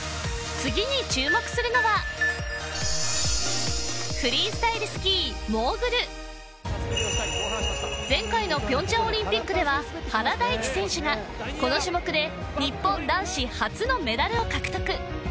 次に注目するのは前回の平昌オリンピックでは原大智選手がこの種目で日本男子初のメダルを獲得